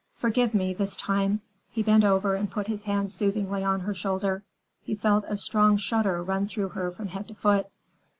"Forgive me, this time." He bent over and put his hand soothingly on her shoulder. He felt a strong shudder run through her from head to foot.